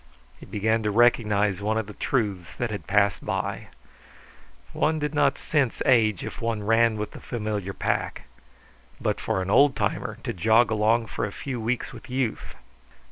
He began to recognize one of the truths that had passed by: One did not sense age if one ran with the familiar pack. But for an old timer to jog along for a few weeks with youth!